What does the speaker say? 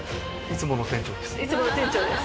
いつもの店長です。